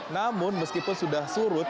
namun meskipun sudah surut